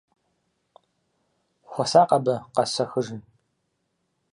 Хуэсакъ абы, къэсэхыжын!